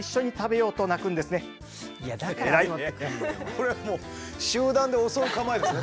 これはもう集団で襲う構えですね。